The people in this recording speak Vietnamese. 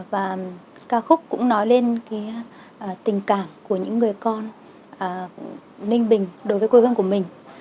và ca khúc cũng nói lên tình cảm của những người con ninh bình đối với quê hương của mình